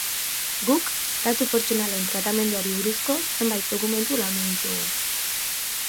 Guk datu pertsonalen tratamenduari buruzko zenbait dokumentu landu ditugu.